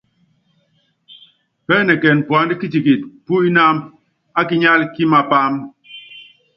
Pɛ́ɛnɛkɛn puand kitikit pú inámb á kinyál kí mapáam.